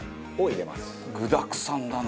具だくさんだな。